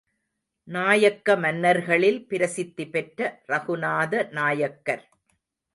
நாயக்க மன்னர்களில் பிரசித்தி பெற்ற ரகுநாத நாயக்கர்.